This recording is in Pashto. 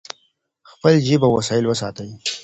خپل جیب او وسایل وساتئ.